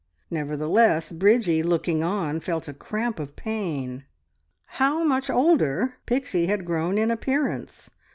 Nevertheless Bridgie, looking on, felt a cramp of pain. How much older Pixie had grown in appearance!